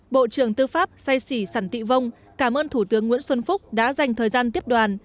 bộ trưởng tư pháp say xỉ sản tị vông cảm ơn thủ tướng nguyễn xuân phúc đã dành thời gian tiếp đoàn